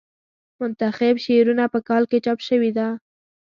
منتخب شعرونه په کال کې چاپ شوې ده.